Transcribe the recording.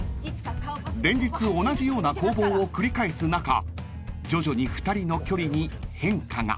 ［連日同じような攻防を繰り返す中徐々に２人の距離に変化が］